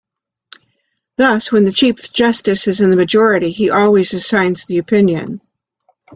Thus, when the chief justice is in the majority, he always assigns the opinion.